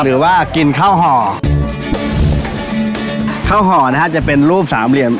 หรือว่ากินข้าวห่อข้าวห่อนะฮะจะเป็นรูปสามเหลี่ยม